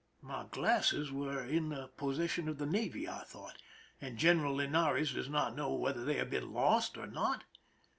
" My glasses were in the possession of the navy," I thought, " and General Linares does not know whether they have been lost or not